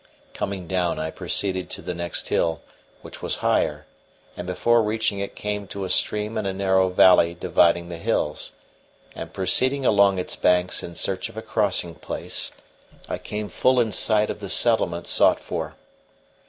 Coming down I proceeded to the next hill, which was higher; and before reaching it came to a stream in a narrow valley dividing the hills, and proceeding along its banks in search of a crossing place, I came full in sight of the settlement sought for.